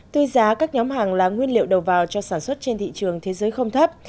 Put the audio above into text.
tuy giá các nhóm hàng là nguyên liệu đầu vào cho sản xuất trên thị trường thế giới không thấp